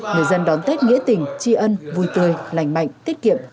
người dân đón tết nghĩa tình tri ân vui tươi lành mạnh tiết kiệm